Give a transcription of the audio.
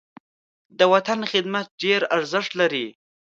د وطن خدمت ډېر ارزښت لري.